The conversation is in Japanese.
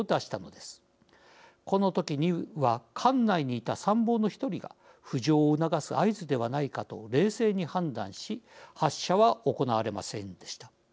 この時には艦内にいた参謀の一人が浮上を促す合図ではないかと冷静に判断し発射は行われませんでした。